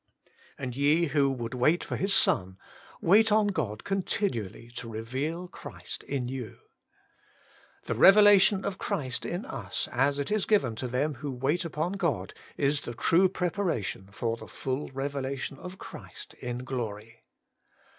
And ye who would wait for His Son, wait on God continually to reveal Christ in yoiL The revelation of Christ in us as it is given to them who wait upon God is the true preparation foT the full revelation of Christ in glory.